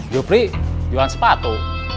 jepri jualan sepatu